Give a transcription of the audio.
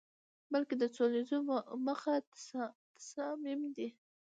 بلکه د څو لسیزو مخه تصامیم دي